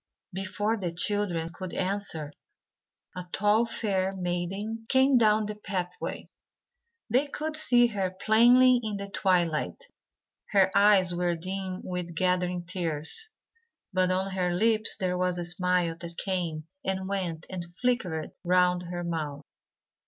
Before the children could answer, a tall fair maiden came down the pathway. They could see her plainly in the twilight. Her eyes were dim with gathering tears, but on her lips there was a smile that came and went and flickered round her mouth.